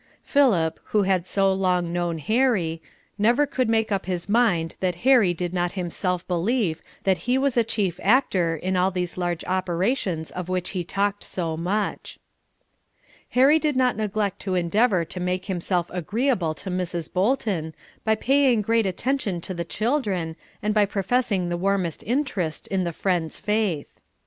Philip, who had so long known Harry, never could make up his mind that Harry did not himself believe that he was a chief actor in all these large operations of which he talked so much. Harry did not neglect to endeavor to make himself agreeable to Mrs. Bolton, by paying great attention to the children, and by professing the warmest interest in the Friends' faith.